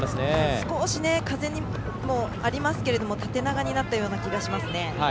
少し風もありますけれども縦長になったような気がします。